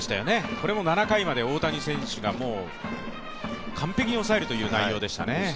これも７回まで大谷選手がもう、完璧に抑えるという内容でしたね。